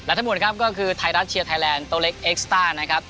ทั้งหมดครับก็คือไทยรัฐเชียร์ไทยแลนดโตเล็กเอ็กซ์ต้านะครับ